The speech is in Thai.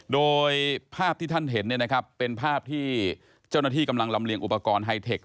โดยภาพที่ท่านเห็นเป็นภาพที่เจ้าหน้าที่กำลังลำเลียงอุปกรณ์ไฮเทค